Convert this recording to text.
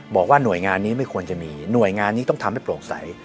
บอกว่าหน่วยงานนี้ไม่ควรจะมีหน่วยงานนี้ต้องทำให้โปร่งใส